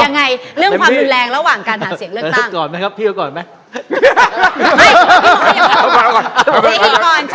อย่างไรเรื่องความเป็นแรงระหว่างการหาเสียงเลือกตั้ง